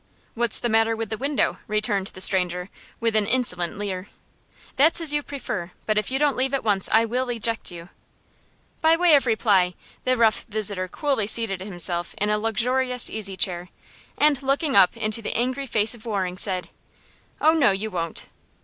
"What's the matter with the window?" returned the stranger, with an insolent leer. "That's as you prefer, but if you don't leave at once I will eject you." By way of reply, the rough visitor coolly seated himself in a luxurious easy chair, and, looking up into the angry face of Waring, said: "Oh, no, you won't."